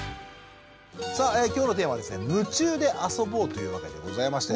さあ今日のテーマは「夢中であそぼう」というわけでございまして。